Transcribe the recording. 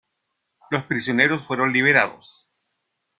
Los prisioneros fueron liberados.